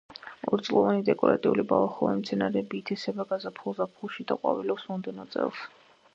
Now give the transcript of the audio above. ორწლოვანი დეკორატიული ბალახოვანი მცენარეები ითესება გაზაფხულ-ზაფხულში და ყვავილობს მომდევნო წელს.